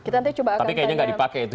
tapi kayaknya tidak dipakai itu